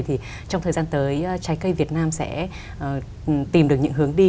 thì trong thời gian tới trái cây việt nam sẽ tìm được những hướng đi